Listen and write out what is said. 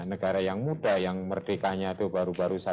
negara yang muda yang merdekanya itu baru baru saja